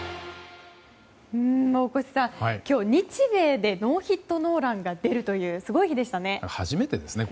大越さん、今日、日米でノーヒットノーランが出るという、すごい日でしたね。